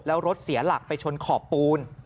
แล้วรถเสียหลักไปชนขอบปูน